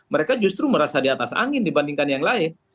mereka justru merasa di atas angin dibandingkan yang lain